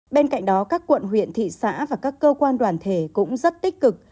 bên cạnh đó các quận huyện thị xã và các cơ quan đoàn thể cũng rất tích cực